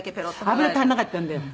油足りなかったんだよ。